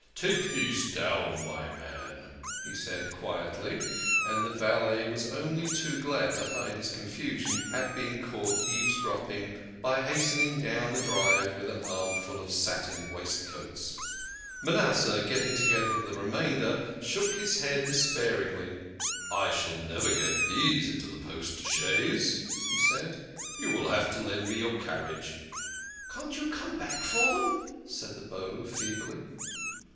" Take these down, my man," he said quietly, and the valet was only too glad to hide his confusion at being caught eavesdropping by hastening down to the drive with an armful of satin waistcoats. Manasseh, getting together the remainder, shook his head despairingly. " I shall never get these into the post chaise," he said. " You will have to lend me your carriage." "Can't you come back for them?" said the Beau feebly.